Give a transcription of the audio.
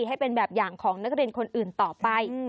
ให้เป็นแบบอย่างของนักเรียนคนอื่นต่อไป